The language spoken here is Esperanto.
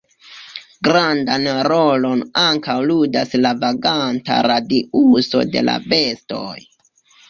Grandan rolon ankaŭ ludas la vaganta radiuso de la bestoj.